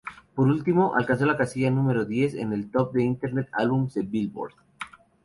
Por último, alcanzó la casilla número diez en el Top Internet Albums de "Billboard.